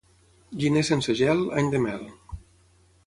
Gener sense gel, any de mel.